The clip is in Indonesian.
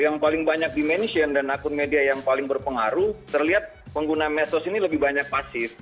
yang paling banyak dimention dan akun media yang paling berpengaruh terlihat pengguna mesos ini lebih banyak pasif